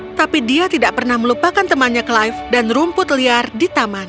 tetapi dia tidak pernah melupakan temannya clive dan rumput liar di taman